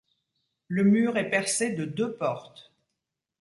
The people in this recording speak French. Le mur est percé de deux portes.